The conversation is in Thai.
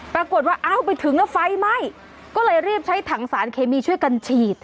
ปรากฏว่าอ้าวไปถึงแล้วไฟไหม้ก็เลยรีบใช้ถังสารเคมีช่วยกันฉีด